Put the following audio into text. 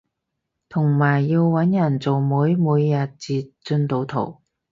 同埋要搵人做媒每日截進度圖